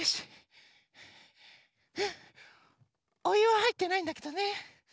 おゆははいってないんだけどね。